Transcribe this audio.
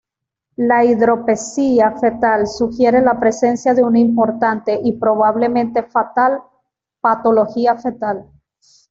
La hidropesía fetal sugiere la presencia de una importante, y probablemente fatal, patología fetal.